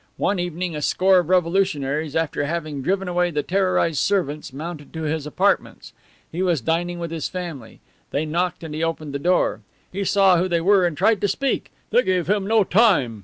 One evening a score of revolutionaries, after having driven away the terrorized servants, mounted to his apartments. He was dining with his family. They knocked and he opened the door. He saw who they were, and tried to speak. They gave him no time.